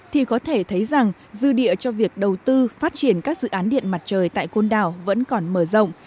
thì có thể thấy rằng dư địa cho việc đầu tư phát triển các dự án điện mặt trời tại côn đảo vẫn còn mở rộng